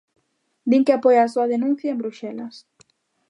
Din que apoia a súa denuncia en Bruxelas.